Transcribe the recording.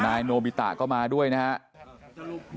ทนายโนบิตะก็มาด้วยนะฮะ